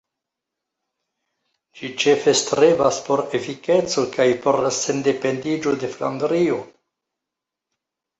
Ĝi ĉefe strebas por efikeco kaj por la sendependiĝo de Flandrio.